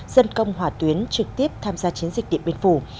dân công hỏa tuyến trực tiếp tham gia chiến dịch điện biên phủ